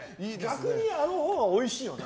逆にあのほうがおいしいよね。